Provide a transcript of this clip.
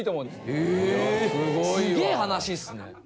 えすげえ話ですね。